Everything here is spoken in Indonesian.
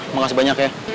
makasih banyak ya